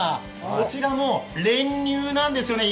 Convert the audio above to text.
こちらも練乳なんですよね。